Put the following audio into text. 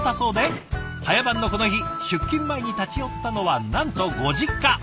早番のこの日出勤前に立ち寄ったのはなんとご実家。